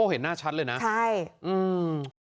เห็นหน้าชัดเลยนะใช่อืม